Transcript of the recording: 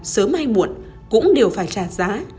sớm hay muộn cũng đều phải trả giá